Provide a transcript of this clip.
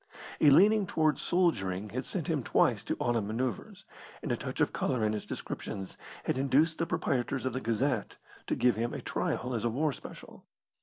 A leaning towards soldiering had sent him twice to autumn manoeuvres, and a touch of colour in his descriptions had induced the proprietors of the Gazette to give him a trial as a war special.